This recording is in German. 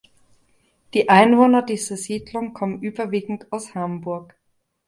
Die Einwohner dieser Siedlung kommen überwiegend aus Hamburg.